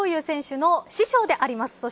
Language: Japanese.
小林陵侑選手の師匠であります